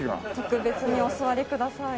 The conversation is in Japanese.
特別にお座りください。